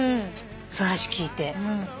その話聞いて。